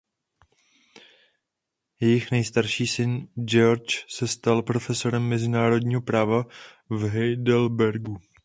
Jejich nejstarší syn Georg se stal profesorem mezinárodního práva v Heidelbergu.